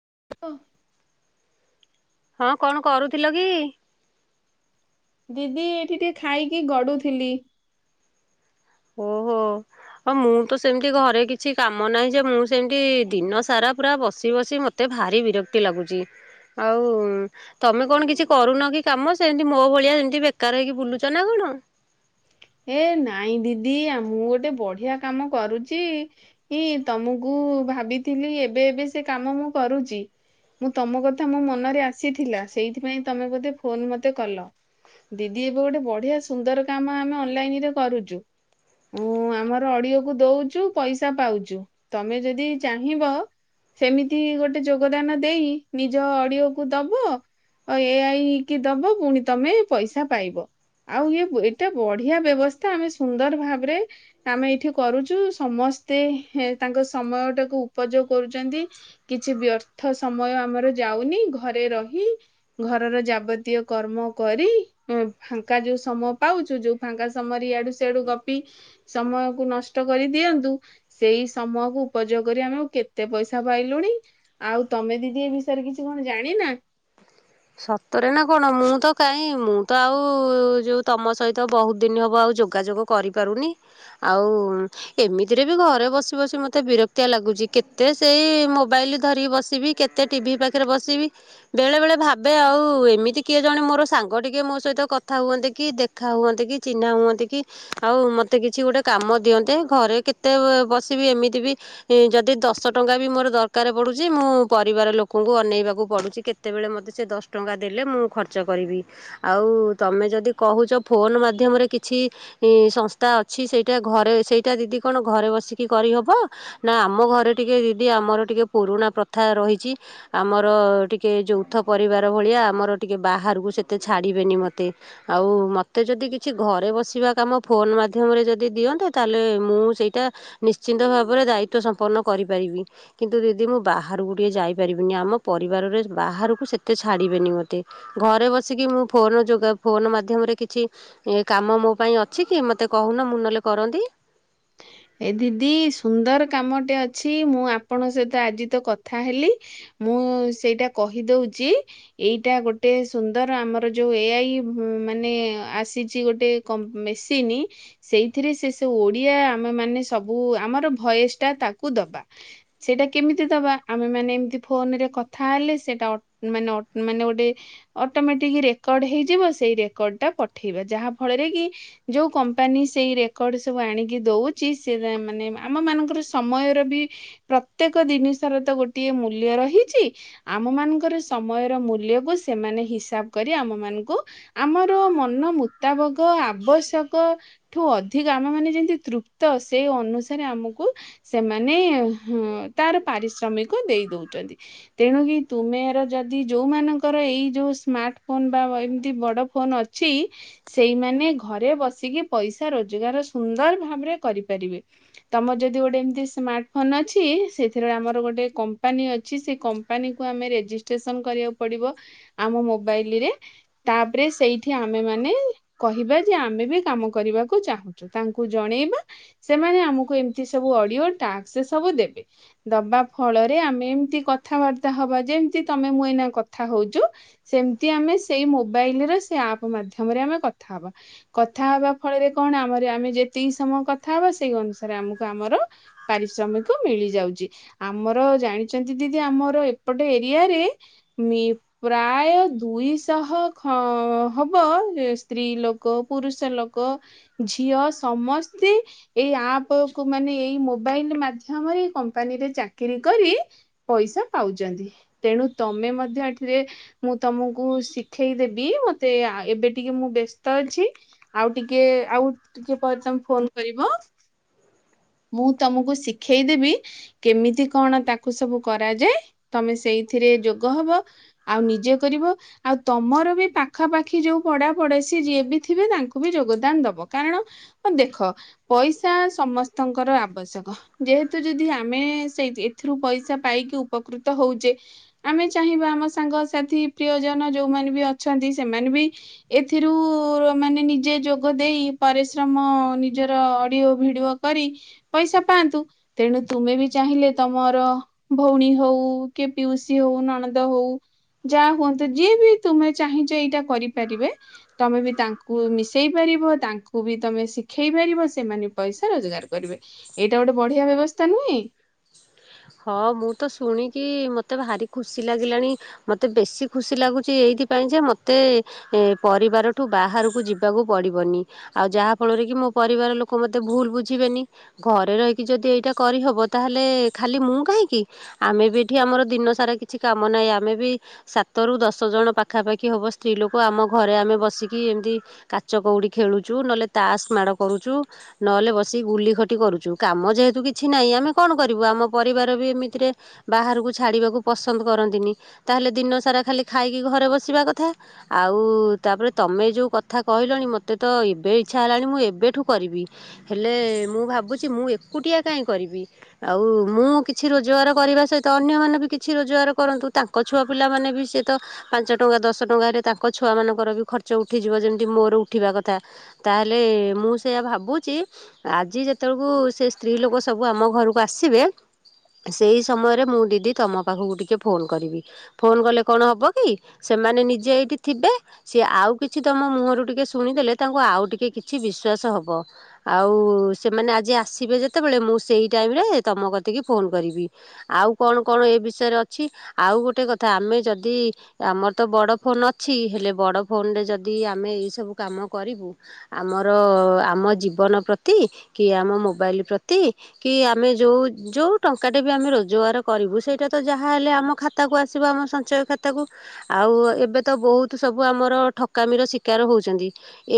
[inaudible] ହଁ କଣ କରୁଥିଲ କି? ଦିଦି ଏଇଠି ଟିକେ ଖାଇକି ଗଡ଼ୁଥିଲି। ଓହୋ। ହଁ ମୁଁ ତ ସେମିତି ଘରେ କିଛି କାମ ନାହିଁ ଯେ ମୁଁ ସେମିତି ଦିନ ସାରା ପୁରା ବସି ବସି ମ ତେ ଭାରି ବିରକ୍ତି ଲାଗୁଛି ଆଉ ତମେ କଣ କିଛି କରୁନ କି କାମ ସେମିତି ମୋ ଭଳିଆ ସେମିତି ବେକାର ହେଇକି ବୁଲୁଛ ନା କଣ? ଏ ନାଇଁ ଦିଦି ଆ ମୁଁ ଗୋଟେ ବଢ଼ିଆ କାମ କରୁଚି। ଇ ତମକୁ ଭାବିଥିଲି ଏବେ ଏବେ ସେ କାମ ମୁଁ କରୁଚି ମୁଁ ତମ କଥା ମୋ ମନରେ ଆସିଥିଲା ସେଇଥିପାଇଁ ତମେ ବୋଧେ ଫୋନ୍ ମତେ କଲ। ଦିଦି ଏବେ ଗୋଟେ ବଢ଼ିଆ ସୁନ୍ଦର କାମ ଆମେ ଅନଲାଇନ୍ ରେ କରୁଚୁ ଉଁ ଆମର ଆଡ଼ିଓକୁ ଦଉଚୁ ପଇସା ପାଉଚୁ ତମେ ଯଦି ଚାହିଁବ ସେମିତି ଗୋଟେ ଯୋଗଦାନ ଦେଇକି ନିଜ ଅଡିଓ କୁ ଦବ ଅ ଏ ଆଇ କି ଦବ ପୁଣି ତମେ ପଇସା ପାଇବ ଆଉ ଇଏ ଏଇଟା ବଢ଼ି ବଢିଆ ବ୍ୟବସ୍ଥା ଆମେ ସୁନ୍ଦର ଭାବରେ ଆମେ ଏଇଠି କରୁଛୁ ସମସ୍ତେ ହେଁ ତାଙ୍କ ସମୟ ଟାକୁ ଉପଯୋଗ କରୁଛନ୍ତି। କିଛି ବ୍ୟର୍ଥ ସମୟ ଆମର ଯାଉନି ଘରେ ରହି ଘରର ଯାବତୀୟ କର୍ମ କରି ଉୁଁ ଫାଙ୍କା ଯୋଉ ସମୟ ପାଉଛୁ ଯୋଉ ଫାଙ୍କା ସମୟରେ ଇଆଡୁ ସିଆଡୁ ଗପି ସମୟକୁ ନଷ୍ଟ କରି ଦିଅନ୍ତୁ। ସେଇ ସମୟକୁ ଉପଯୋଗ କରି ଆମେ ଆ କେତେ ପଇସା ପାଇଲୁଣି। ଆଉ ତମେ ଦିଦି ଏ ବିଷୟରେ କିଛି କଣ ଜାଣି ନା? ସତରେ ନା କଣ ମୁଁ ତ କାହିଁ ମୁଁ ତ ଆଉ ଯୋଉ ତମ ସହିତ ବହୁତ ଦିନ ହବ ଆଉ ଯୋଗାଯୋଗ କରିପାରୁନି ଆଉ ଏମିତିରେ ବି ଘରେ ବସି ବସି ମତେ ବିରକ୍ତିଆ ଲାଗୁଛି କେତେ ସେଇ ମୋବାଇଲ ଧରିକି ବସିବି। କେତେ ଟିଭି ପାଖରେ ବସିବି ବେଳେବେଳେ ଭା ଏବେ ଆଉ ଏମିତି କିଏ ଜଣେ ମୋର ସାଙ୍ଗ ଟିକଏ ମୋ ସହିତ କଥା ହୁଅନ୍ତେ କି? ଦେଖା ହୁଅନ୍ତେ କି ଚିହ୍ନା ହୁଅନ୍ତେ କି? ଆଉ ମତେ କିଛି ଗୋଟେ କାମ ଦିଅନ୍ତେ ଘରେ କେତେ ବସିବି ଏମିତି ବି ଯଦି ଦଶ ଟଙ୍କା ବି ମୋର ଦରକାର ପଡୁଛି ମୁଁ ପରିବାର ଲୋକଙ୍କୁ ଅନେଇବାକୁ ପଡୁଛି କେତେବେଳେ ମତେ ସେ ଦଶ ଟଙ୍କା ଦେଲେ ମୁଁ ଖର୍ଚ୍ଚ କରିବି। ଆଉ ତମେ ଯଦି କହୁଛ ଫୋନ ମାଧ୍ୟମରେ କିଛି ଇଁ ସଂସ୍ଥା ଅଛି ସେଇଟା ଘରେ ସେଇଟା ଦିଦି କଣ ଘରେ ବସିକି କରିହବ? ନା ଆମ ଘରେ ଟିକେ ଦିଦି ଆମର ଟିକେ ପୁରୁଣା ପ୍ରଥା ରହିଛି। ଆମର ଟିକେ ଯୌଥ ପରିବାର ଭଳିଆ ଆମର ଟିକେ ବାହାରକୁ ସେତେ ଛାଡିବେନି ମତେ। ଆଉ ମୋତେ ଯଦି କିଛି ଘରେ ବସିବା କାମ ଫୋନ ମାଧ୍ୟମରେ ଯଦି ଦିଅନ୍ତ ତାହେଲେ ମୁଁ ସେଇଟା ନିଶ୍ଚିନ୍ତ ଭାବରେ ଦାୟିତ୍ଵ ସମ୍ପନ୍ନ କରିପାରିବି। କିନ୍ତୁ ଦିଦି ମୁଁ ବାହାରକୁ ଟିକେ ଯାଇପାରିବିନି ଆମ ପରିବାରରେ ବାହାରକୁ ସେ ମୋତେ ଛାଡ଼ିବେନି ମୋତେ ଘରେ ବସିକି ମୁଁ ଫୋନ ଯୋଗା ଫୋନ ମାଧ୍ୟମରେ କିଛି ଏ କାମ ମୋ ପାଇଁ ଅଛି କି ମତେ କହୁନ ମୁଁ ନହେଲେ କରନ୍ତି। ଏ ଦିଦି ସୁନ୍ଦର କାମଟେ ଅଛି ମୁଁ ଆପଣଙ୍କ ସହିତ ଆଜି ତ କଥା ହେଲି ମୁଁ ସେଇଟା କହିଦଉଛି ଏଇଟା ଗୋଟେ ସୁନ୍ଦର ଆମର ଯୋଉ ଏଆଇ ମାନେ ଆସିଛି ଗୋଟେ କ ମେସିନ ସେଥିରେ ସେ ଓଡ଼ିଆ ଆମେ ମାନେ ସବୁ ଆମର ଭୟସ ଟା ତାକୁ ଦବା। ସେଇଟା କେମିତି ଦବା ଆମେ ମାନେ ଏମତି ଫୋନ ରେ କଥା ହେଲେ ସେଇଟା ଅ ମାନେ ଅ ମାନେ ଗୋଟେ ଅଟୋମେଟିକ ରେକର୍ଡ ହେଇଯିବ ସେଇ ରେକର୍ଡ ଟା ପଠେଇବା ଯାହା ଫଳରେ କି ଯୋଉ କମ୍ପାନୀ ସେଇ ରେକର୍ଡ ସବୁ ଆଣିକି ଦଉ ଚି ସେ ମାନେ ଆମମାନଙ୍କର ସମୟର ବି ପ୍ରତ୍ୟେକ ଜିନିଷରେ ତ ଗୋଟିଏ ମୂଲ୍ୟ ରହିଛି ଆମ ମାନଙ୍କର ସମୟର ମୂଲ୍ୟକୁ ସେମାନେ ହିସାବ କରି ଆମ ମାନଙ୍କୁ ଆମର ମନ ମୁତାବକ ଆବଶ୍ୟକ ଠୁ ଅଧିକ ଆମ ମାନେ ଯେମତି ତୃ ତ ସେଇ ଅନୁସାରେ ଆମକୁ ସେମାନେ ହଁ ତାର ପାରିଶ୍ରମିକ ଦେଇ ଦଉଛନ୍ତି। ତେଣୁ କିି ତୁମେର ଯଦି ଯୋଉମାନଙ୍କର ଏଇ ଯୋଉ ସ୍ମାର୍ଟ ଫୋନ ବା ଏମିତି ବଡ ଫୋନ ଅ ଛି ସେଇମାନେ ଘରେ ବସିକି ପଇସା ରୋଜଗାର ସୁନ୍ଦର ଭାବରେ କରିପାରିବେ। ତମର ଯଦି ଗୋଟେ ଏମିତି ସ୍ମାର୍ଟ ଫୋନ ଅଛି ସେଥିରେ ଆମର ଗୋଟେ କମ୍ପାନୀ ଅଛି ସେ କ କମ୍ପାନୀ କୁ ଆମେ ରେଜିଷ୍ଟ୍ରେସନ କରିବାକୁ ପଡିବ ଆମ ମୋବାଇଲି ରେ ତାପରେ ସେଇଠି ଆମେମାନେ କହିବା ଯେ ଆମେ ବି କାମ କରିବାକୁ ଚାହୁଁଛୁ ତାଙ୍କୁ ଜଣେଇବା ସେମାନେ ଆମକୁ ଏମିତି ସବୁ ଅଡିଓ ଟାସ୍କ ସବୁ ଦେବେ ଦବା ଫଳରେ ଆମେ ଏମିତି କଥାବାର୍ତ୍ତା ହବା ଯେମତି ତମେ ମୁଁ ଏଇନା କଥା ହଉଛୁ ସେମିତି ଆମେ ସେଇ ମୋବାଇଲ୍ ରେ ସେ ଆପ୍ ମାଧ୍ୟମରେ ଆମେ କଥା ହବା। କଥା ହବା ଫଳରେ କଣ ଆମର ଆମେ ଯେତିକି ସମୟ କଥା ହବା ସେଇ ଅନୁସାରେ ଆମକୁ ଆମର ପାରିଶ୍ରମିକ ମିଳି ଯାଉଚି। ଆମର ଜାଣିଛନ୍ତି ଦିଦି ଆମର ଏପଟ ଏରିଆରେ [inaudible] ପ୍ରାୟ ଦୁଇଶହ ଖ- ହବ ଯେ ସ୍ତ୍ରୀ ଲୋ କ ପୁରୁଷ ଲୋକ ଝିଅ ସମସ୍ତେ ଏଇ ଆପ୍ କୁ ମାନେ ଏଇ ମୋବାଇଲ୍ ମାଧ୍ୟମରେ ଏଇ କମ୍ପାନୀ ରେ ଚାକିରି କରି ପଇସା ପାଉଚନ୍ତି। ତେଣୁ ତୋମେ ମଧ୍ୟ ଏଥିରେ ମୁଁ ତୋମକୁ ଶିଖେଇଦେବି, ମୋତେ ଆ, ଏବେ ଟିକେ ମୁଁ ବ୍ୟସ୍ତ ଅଛି। ଆଉ ଟିକେ ଆଉ ଟିକେ ପରେ ତୋମେ ଫୋନ୍ କରିବ। ମୁଁ ତୋମକୁ ଶିଖେଇଦେବି କେମିତି କଣ ତାକୁ ସବୁ କରାଯାଏ, ତୋମେ ସେଇଥିରେ ଯୋଗ ହବ। ଆଉ ନିଜେ କରିବ। ଆଉ ତୋମର ବି ପାଖାପାଖି ଯୋଉ ପଡାପଡଶୀ ଯିଏ ବି ଥିବେ ତାଙ୍କୁ ବି ଯୋଗଦାନ ଦବ। କାରଣ ଅ, ଦେଖ ପଇସା ସମସ୍ତଙ୍କର ଆବଶ୍ୟକ। ଯେହେତୁ ଯଦି ଆମେ ସେଇ ଏଥିରୁ ପଇସା ପାଇକି ଉପକୃତ ହଉଚେ ଆମେ ଚାହିଁବା ଆମ ସାଙ୍ଗସାଥି ପ୍ରିୟଜନ ଯୋଉମାନେ ବି ଅଛନ୍ତି ସେମାନେ ବି ଏଥିରୁ ମାନେ ନିଜେ ଯୋଗ ଦେଇ ପରିଶ୍ରମ ନି ଜର ଅଡିଓ ଭିଡିଓ କରି ପଇସା ପାଆନ୍ତୁ। ତେଣୁ ତୁମେ ବି ଚାହିଁଲେ ତୋମର ଭଉଣୀ ହଉ କି ପିଉସୀ ହଉ ନଣନ୍ଦ ହଉ ଯା ହୁଅନ୍ତୁ ଯିଏ ବି ତୁମେ ଚାହିଁଚ ଏଇଟା କରିପାରିବେ ତୋମେ ବି ତାଙ୍କୁ ମିଶେଇ ପାରିବ, ତାଙ୍କୁ ବି ତୋମେ ଶି ଖେଇପାରିବ ସେମାନେ ପଇସା ରୋଜଗାର କରିବେ। ଏଇଟା ଗୋଟେ ବଢ଼ିଆ ବ୍ୟବସ୍ଥା ନୁହେଁ? ହଁ ମୁଁ ତ ଶୁଣିକି ମୋତେ ଭାରି ଖୁସି ଲାଗିଲାଣି ମୋତେ ବେଶି ଖୁସି ଲାଗୁଚି ଏଇଥିପାଇଁ ଯେ ମୋତେ ଏ ପରିବାରଠୁ ବାହାରକୁ ଯିବାକୁ ପଡିବନି। ଆଉ ଯାହା ଫଳରେ କି ମୋ ପରିବାର ଲୋକ ମୋତେ ଭୁଲ ବୁଝିବେନି। ଘରେ ରହିକି ଯଦି ଏଇଟା କରିହବ ତାହେଲେ ଖାଲି ମୁଁ କାହିଁକି ଆମେ ବି ଏଠି ଆମର ଦିନ ସାରା କିଛି କାମ ନାଇଁ ଆମେ ବି ସାତରୁ ଦଶ ଜଣ ପାଖାପାଖି ହବ ସ୍ତ୍ରୀ ଲୋକ ଆମ ଘରେ ଆମେ ବସିକି ଏମିତି କାଚ କଉଡି ଖେଳୁଛୁ, ନହେଲେ ତାସ୍ ମାଡ଼ କରୁଚୁ। ନହେଲେ ବସିିକ ଗୁଲି ଖଟି କରୁଚୁ, କାମ ଯେହେତୁ କିଛି ନାଇଁ ଆମେ କଣ କରିବୁ? ଆମ ପରିବାର ବି ଏମିତିରେ ବାହାରକୁ ଛାଡ଼ିବାକୁ ପସନ୍ଦ କରନ୍ତିନି। ତାହେଲେ ଦିନ ସାରା ଖାଲି ଖାଇକି ଘରେ ବସିବା କଥା। ଆଉ ତାପରେ ତୋମେ ଯୋଉ କଥା କହିଲଣି ମୋତେ ତ ଏବେ ଇଚ୍ଛା ହେଲାଣି ମୁଁ ଏବେଠୁ କରିବି। ହେଲେ ମୁଁ ଭାବୁଛି ମୁଁ ଏକୁଟିଆ କାଇଁ କରିବି ଆଉ ମୁଁ କିଛି ରୋଜଗାର କରିବା ସହିତ ଅନ୍ୟମାନେ ବି କିଛି ରୋଜଗାର କରନ୍ତୁ। ତାଙ୍କ ଛୁଆ ପିଲାମାନେ ବି ସିଏ ତ ପାଞ୍ଚ ଟଙ୍କା ଦଶ ଟଙ୍କାରେ ତାଙ୍କ ଛୁଆ ମାନଙ୍କର ବି ଖର୍ଚ୍ଚ ଉଠିଯିବ ଯେମିତି ମୋର ଉଠିବା କଥା। ତାହେଲେ ମୁଁ ସେଇଆ ଭାବୁଚି ଆଜି ଯେତେବେଳକୁ ସେ ସ୍ତ୍ରୀ ଲୋକ ସବୁ ଆମ ଘରକୁ ଆସିବେ ସେଇ ସମୟରେ ମୁଁ ଦିଦି ତୋମ ପାଖକୁ ଟିକେ ଫୋନ୍ କରିବି। ଫୋନ୍ କଲେ କଣ ହବ କି ସେମାନେ ନିଜେ ଏଇଠି ଥିବେ ସିଏ ଆଉ କିଛି ତୋମ ମୁହଁରୁ ଟିକେ ଶୁଣିଦେଲେ ତାଙ୍କୁ ଆଉ ଟିକେ କିଛି ବିଶ୍ଵାସ ହବ। ଆଉ ସେମାନେ ଆଜି ଆସିବେ ଯେତେବେଳେ ମୁଁ ସେଇ ଟାଇମ୍ ରେ ତୋମ କତିକି ଫୋନ୍ କରିବି। ଆଉ କଣ କଣ ଏ ବିଷୟରେ ଅଛି? ଆଉ ଗୋଟେ କଥା ଆମେ ଯଦି ଏ ଆମର ତ ବଡ ଫୋନ୍ ଅଛି, ହେଲେ ବଡ ଫୋନ୍ ରେ ଯଦି ଆମେ ଏଇ ସବୁ କାମ କରିବୁ ଆମର ଆମ ଜୀବନ ପ୍ରତି କି ଆମ ମୋବାଇଲ୍ ପ୍ରତି କି ଆମେ ଯୋଉ ଯୋଉ ଟଙ୍କାଟେ ବି ଆମେ ରୋଜଗାର କରିବୁ, ସେଇଟା ତ ଯାହାହଲେ ଆମ ଖାତାକୁ ଆସିବ ଆମ ସଞ୍ଚୟ ଖାତାକୁ। ଆଉ ଏବେ ତ ବହୁତ ସବୁ ଆମର ଠକାମିର ଶିକାର ହଉଛନ୍ତି।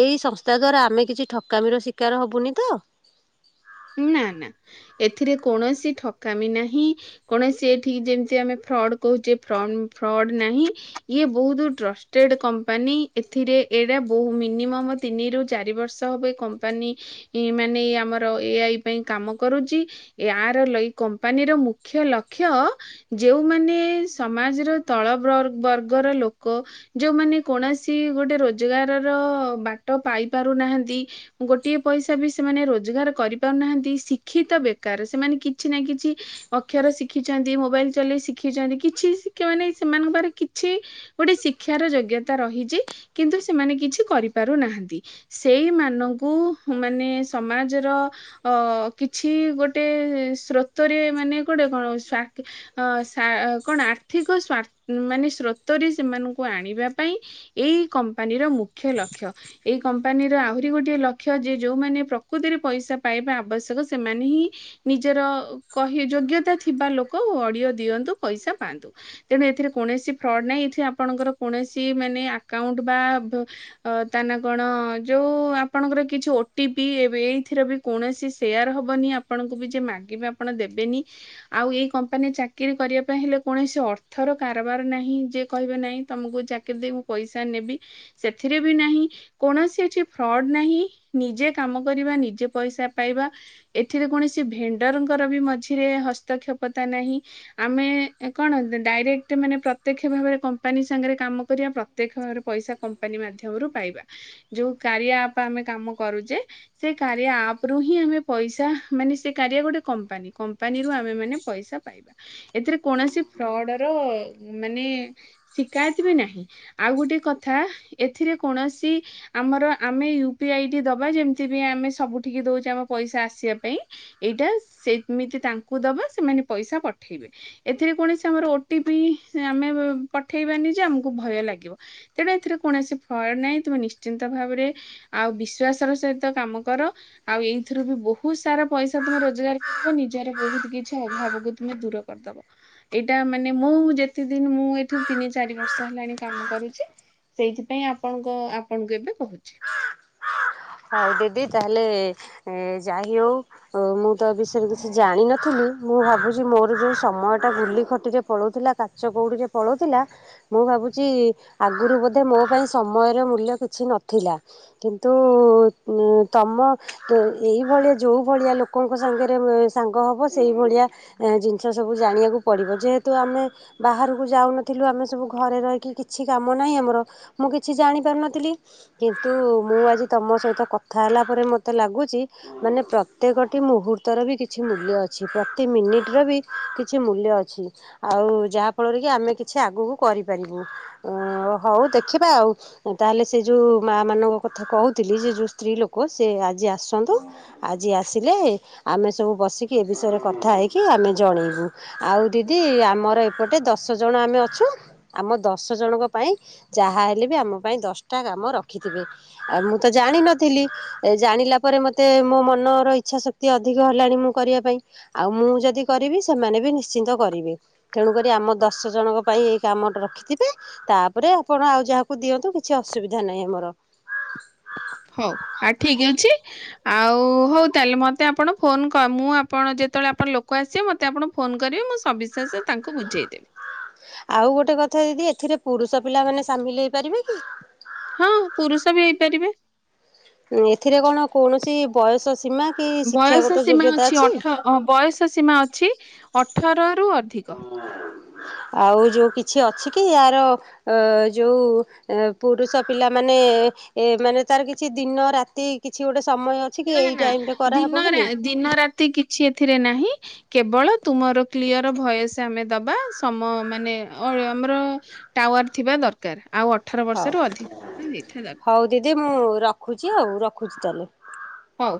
ଏଇ ସଂସ୍ଥା ଦ୍ଵାରା ଆମେ କିଛି ଠକାମିର ଶିକାର ହବୁନି ତ। ନା ନା ଏଥିରେ କୌଣସି ଠକାମି ନାହିଁ କୌଣସି ଏଠିକି ଯେମିତି ଆମେ ଫ୍ରଡ କହୁଛେ ଫ୍ରଡ ନାହିଁ ଇଏ ବହୁତ ଟ୍ରଷ୍ଟ ଟ୍ରେଡ଼୍ କମ୍ପାନୀ ଏଥିରେ ଏଇଟା ବହୁ ମିନିମମ୍ ତିନିରୁ, ଚାରି ବର୍ଷ ହେବ ଏ କମ୍ପାନୀ ଏ ମାନେ ଆମର ଏ ଆଇ ପାଇଁ କାମ କରୁଛି ଏହାର କମ୍ପାନୀର ମୁଖ୍ୟ ଲକ୍ଷ୍ୟ ଯେଉମାନେ ସମାଜର ତଳ ବର୍ଗର ଲୋକ ଯୋଉମାନେ କୌଣସି ଗୋଟେ ରୋଜଗାର ର ବାଟ ପାଇ ପାରୁନାହାନ୍ତି। ଗୋଟିଏ ପଇସା ବି ସେମାନେ ରୋଜଗାର କରି ପାରୁନାହାନ୍ତି ଶିକ୍ଷିତ ବେକାର ସେମାନେ କିଛି ନା କିଛି ଅକ୍ଷର ଶିଖିଛନ୍ତି, ମୋବାଇଲ ଚଲେଇ ଶିଖିଛନ୍ତି କିଛି ଶିକ୍ଷା ମାନ ସେମାନଙ୍କ ପାଖରେ କିଛି ଗୋଟେ ଶିକ୍ଷାର ଯୋଗ୍ୟତା ରହିଛି। କିନ୍ତୁ, ସେମାନେ କିଛି କରିପାରୁନାହାନ୍ତି। ସେଇମାନଙ୍କୁ ମାନେ ସମାଜର ଅ କିଛି ଗୋଟେ ସ୍ରୋତରେ ମାନେ ଗୋଟେ କଣ ସ୍ୱା ଅଁ କଣ ଆର୍ଥିକ ମାନେ ସ୍ରୋତରେ ସେମାନଙ୍କୁ ଆଣିବା ପାଇଁ ଏଇ କମ୍ପାନୀର ମୁଖ୍ୟ ଲକ୍ଷ୍ୟ। ଏଇ କମ୍ପାନୀର ଆହୁରି ଗୋଟେ ଲକ୍ଷ୍ୟ ଯେ ଯୋଉମାନେ ପ୍ରକୃତିରେ ପଇସା ପାଇବା ଆବଶ୍ୟକ ସେମାନେ ହିଁ ନିଜର କହି ଯୋଗ୍ୟତା ଥିବା ଲୋକ ଓଡିଓ ଦିଅନ୍ତୁ ପଇସା ପାଆନ୍ତୁ। ତେଣୁ ଏଥିରେ କୌଣସି ଫ୍ରଡ୍ ନାହିଁ। ଏଥିରେ ଆପଣଙ୍କର କୌଣସି ମାନେ ଆକାଉଣ୍ଟ ବା ଅ ତାନା କଣ ଯୋଉ ଆପଣଙ୍କର କିଛି ଓ ଟି ପି ଏବେ ଏଇଥିରେ ବି କୌଣସି ସେୟାର ହେବନି ଆପଣଙ୍କୁ ବି ଯେ ମାଗିବେ ଆପଣ ଦେବେନି। ଆଉ ଏଇ କମ୍ପାନୀ ଚାକିରୀ କରିବା ପାଇଁ ହେଲେ କୌଣସି ଅର୍ଥର କାରବାର ନାହିଁ ଯିଏ କହିବେ ନାହିଁ ତମକୁ ଚାକି କି ଦେଇ ମୁଁ ପଇସା ନେବି। ସେଥିରେ ବି ନାହିଁ କୌଣସି ଏଠି ଫ୍ରଡ଼୍ ନାହିଁ ନିଜେ କାମ କରିବା ନିଜେ ପଇସା ପାଇବା ଏଥିରେ କୌଣସି ଭେଣ୍ଡରଙ୍କର ବି ମଝିରେ ହସ୍ତକ୍ଷେପତା ନାହିଁ। ଆମେ କଣ ଡାଇରେକ୍ଟ ମାନେ ପ୍ରତ୍ୟକ୍ଷ ଭାବରେ କମ୍ପାନୀ ସାଙ୍ଗରେ କାମ କରିବା ପ୍ର ପ୍ରତ୍ୟକ୍ଷ ଭାବରେ ପଇସା କମ୍ପାନୀ ମାଧ୍ୟମରୁ ପାଇବା। ଯୋଉ କାରିଆ ଆପ୍ ଆମେ କାମ କରୁଛେ ସେଇ କା ଆପ୍ ରୁ ହିଁ ଆମେ ପଇସା ମାନେ ସେ କାରିଆ ଗୋଟେ କମ୍ପାନୀ କମ୍ପାନୀରୁ ଆମେ ମାନେ ପଇସା ପାଇବା। ଏଥିରେ କୌଣସି ଫ୍ରଡ଼୍ ର ମାନେ ଶିକାୟତ ବି ନାହିଁ। ଆଉ ଗୋଟେ କଥା ଏଥିରେ କୌଣସି ଆମର ଆମେ ୟୁ ପି ଆଇ ଟି ଦବା ଯେମତି ବି ଆମେ ସବୁଠିକି ଦଉଛେ ଆମ ପଇସା ଆସିବା ପାଇଁ। ଏଇଟା ସେମିତି ତାଙ୍କୁ ଦବା ସେମାନେ ପଇସା ପଠେଇବେ। ଏଥିରେ କୌଣସି ଆମର ଓ ଟି ପି ଆମେ ପଠେଇବାନି ଯେ ଆମକୁ ଭୟ ଲାଗିବ। ତେଣୁ ଏଥିରେ କୌଣସି ଫୟଡ଼୍ ନାହିଁ ତମେ ନିଶ୍ଚିନ୍ତ ଭାବରେ ଆଉ ବିଶ୍ଵାସ ର ସହିତ କାମ କର ଆଉ ଏଇଥିରୁ ବି ବହୁତ ସାରା ପଇସା ତମେ ରୋଜଗାର ନିଜର ବହୁତ୍ କିଛି ଅଭାବ କୁ ତୁମେ ଦୂର କରିଦେବ। ଏଇଟା ମାନେ ମୁଁ ଯେତେ ଦିନ ମୁଁ ଏଠୁ ତିନି, ଚାରି ବର୍ଷ ହେଲାଣି କାମ କରୁଛି। ସେଇଥିପାଇଁ ଆପଣଙ୍କ ଆପଣଙ୍କୁ ଏବେ କହୁଛି। ହଉ ଦିଦି ତାହେଲେ ଯାଇ ହଉ ଓ ମୁଁ ତ ବିଷୟରେ କିଛି ଜାଣିନଥିଲି। ମୁଁ ଭାବୁଛି ମୋର ଯୋଉ ସମୟ ଟା ଗୁଲି ଖଟିରେ ପଳଉଥିଲା ତା ଚ କୋଉଠିକି ପଳଉଥିଲା। ମୁଁ ଭାବୁଛି ଆଗରୁ ବୋଧେ ମୋ ପାଇଁ ସମୟର ମୂଲ୍ୟ କିଛି ନଥିଲା। କିନ୍ତୁ ତୁ ଉଁ ତମ ତ ଏଇଭଳିଆ ଯୋଉ ଭଳିଆ ଲୋକଙ୍କ ସାଙ୍ଗରେ ସାଙ୍ଗ ହବ ସେଇଭଳିଆ ଏ ଜିନିଷ ସବୁ ଜାଣିବାକୁ ପଡି଼ବ। ଯେହେତୁ ଆମେ ବାହାରକୁ ଯାଉନଥିଲୁ ଆମେ ସବୁ ଘରେ ରହିକି କିଛି କାମ ନାହିଁ ଆମର ମୁଁ କିଛି ଜାଣି ପାରୁନଥିଲି। କିନ୍ତୁ, ମୁଁ ଆଜି ତମ ସହିତ କଥା ହେଲା ପରେ ମୋତେ ଲାଗୁଛି ମାନେ ପ୍ରତ୍ୟେକଟି ମୁହୂର୍ତ୍ତର ବି କିଛି ମୂଲ୍ୟ ଅଛି। ପ୍ରତି ମିନିଟର ବି କିଛି ମୂଲ୍ୟ ଅଛି। ଆଉ ଯାହା ଫଳରେ କି ଆମେ କିଛି ଆଗକୁ କରିପାରିବୁ? ଅ ହଉ ଦେଖିବା ଆଉ ତାହେଲେ ସେ ଯୋଉ ମା ମାନଙ୍କ କଥା କହୁ ଥିଲି ଯେ ଯୋଉ ସ୍ତ୍ରୀ ଲୋକ ସେ ଆଜି ଆସନ୍ତୁ। ଆଜି ଆସିଲେ ଆମେ ସବୁ ବସିକି ଏ ବିଷୟରେ କଥା ହେଇକି ଆମେ ଜଣେଇବୁ। ଆଉ ଦିଦି ଆମର ଏପଟେ ଦଶ ଜଣ ଆମେ ଅଛୁ। ଆମ ଦଶ ଜଣଙ୍କ ପାଇଁ ଯାହା ହେଲେ ବି ଆମ ପାଇଁ ଦଶଟା କାମ ରଖିଥିବେ ଆଉ ମୁଁ ତ ଜାଣିନଥିଲି। ଏ ଜାଣିଲା ପରେ ମତେ ମୋ ମନର ଇଚ୍ଛା ଶକ୍ତି ଅଧିକ ହେଲାଣି ମୁଁ କରିବା ପାଇଁ। ଆଉ ମୁଁ ଯଦି କରିବି ସେମାନେ ବି ନିଶ୍ଚିନ୍ତ କରିବେ। ତେଣୁକରି ଆମ ଦଶ ଜଣଙ୍କ ପାଇଁ ଏଇ କାମ ରଖିଥିବେ। ତାପରେ ଆପଣ ଆଉ ଯାହାକୁ ଦିଅନ୍ତୁ କିଛି ଅସୁବିଧା ନାହିଁ ଆମର [inaudible] ହଉ ଆଉ ଠିକ ଅଛି। ଆଉ ହଉ ତାହେଲେ ମତେ ଆପଣ ଫୋନ ମୁଁ ଆପଣ ଯେତେବେଳେ ଆପଣ ଲୋକ ଆସିବେ ମତେ ଆପଣ ଫୋନ୍ କରିବେ ମୁଁ ସବିଶେଷ ତାଙ୍କୁ ବୁଝାଇଦେବି। ଆଉ ଗୋଟେ କଥା ଦିଦି ଏଥିରେ ପୁରୁଷ ପିଲା ମାନେ ସାମିଲ ହେଇପାରିବେ କି? ହଁ ପୁରୁଷ ବି ହେଇପାରିବେ। ଏଥିରେ କଣ କୌଣସି ବୟସ ସୀମା କି ବୟସ ଶିକ୍ଷାଗତ ସୀମା ଯୋଗ୍ୟତା ଅଛି? ଅଠ ବୟସ ସୀମା ଅଛି ଅଠରରୁ ଅଧିକ। ଆଉ ଯୋଉ କିଛି ଅଛି କି ଆର ଯୋଉ ଏ ପୁରୁଷ ପିଲାମାନେ ଏ ମାନେ ତାର କିଛି ଦିନ ରାତି କିଛି ଗୋଟେ ସମୟ ଅଛି କି ନା ଏଇ ନା ଟାଇମରେ କରାହେବ ବୋଲି। ଦିନ ରା କିଛି ଏଥିରେ ନାହିଁ। କେବଳ ତୁମର କ୍ଲିଅର ଭଏସ ଆମେ ଦବା ସମ ମାନେ ଆମର ଟାୱାର ଥିବା ଦରକାର ଆଉ ଅଠର ହଉ ବର୍ଷରୁ ଅଧିକ ହେଇଥିବା ଦରକାର। ହଉ ଦିଦି ମୁଁ ରଖୁଛି ଆଉ ରଖୁଛି ତାହେଲେ। ହଉ।